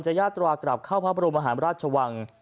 ยาตรากลับเข้าพระบรมหารราชวัง